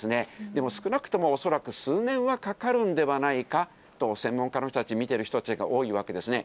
でも少なくとも恐らく数年はかかるんではないかと専門家の人たち、見てる人たちが多いわけですね。